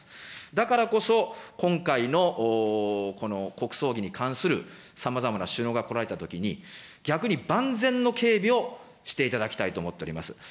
だからこそ今回の、国葬儀に関するさまざまな首脳が来られたときに、逆に万全の警備をしていただきたいと思っております。